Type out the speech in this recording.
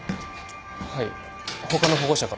はい他の保護者から。